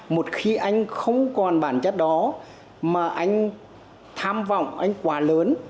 một khi anh không còn bản chất đó mà anh tham vọng anh quá lớn